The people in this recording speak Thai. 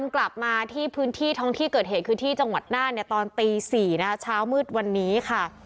กลับมาที่พื้นที่ท้องที่เกิดเหตุคือที่จังหวัดน่านเนี่ยตอนตี๔นะคะเช้ามืดวันนี้ค่ะ